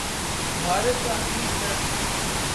بھارت کا امیر تر